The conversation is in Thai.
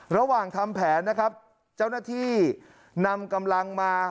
ระหว่างทำแผนนะครับเจ้าหน้าที่นำกำลังมา